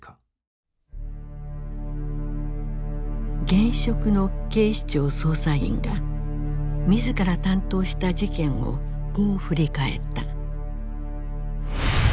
現職の警視庁捜査員が自ら担当した事件をこう振り返った。